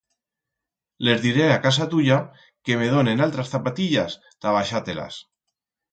Les diré a casa tuya que me donen altras zapatillas ta baixar-te-las.